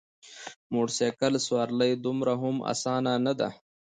د موټرسایکل سوارلي دومره هم اسانه نده.